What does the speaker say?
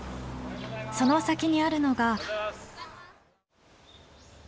その先にあるのが。